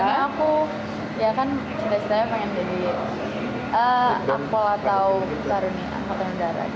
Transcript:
karena aku ya kan setelah setelah pengen jadi akpol atau karunia akpol negara